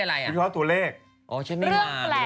เรื่องแปลกด้วยใคร